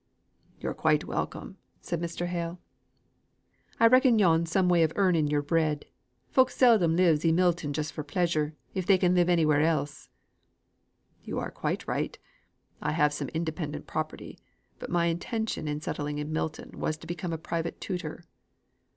"You're quite welcome," said Mr. Hale. "I reckon yo'n some way of earning your bread. Folk seldom lives i' Milton just for pleasure, if they can live anywhere else." "You are quite right. I have some independent property, but my intention in settling in Milton was to become a private tutor."